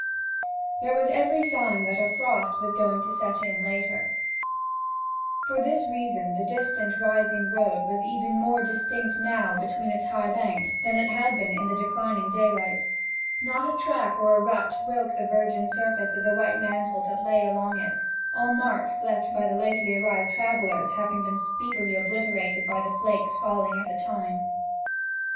There was every sign that a frost was going to set in later on. For these reasons the distant rising road was even more distinct now between its high banks than it had been in the declining daylight. Not a track or rut broke the virgin surface of the white mantle that lay along it, all marks left by the lately arrived travellers having been speedily obliterated by the flakes falling at the time.